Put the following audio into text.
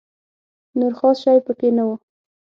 نور خاص شی په کې نه و.